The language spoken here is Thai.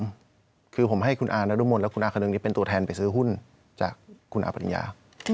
คืนให้กับผมคือผมให้คุณอานดุมนต์และคุณอาคนึงนิดเป็นตัวแทนไปซื้อหุ้นจากคุณอาปริญญา